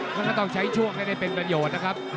มันก็ต้องใช้ช่วงให้ได้เป็นประโยชน์นะครับ